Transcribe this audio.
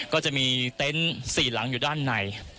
ก็จะมีเต็นต์๔หลังอยู่ด้านใน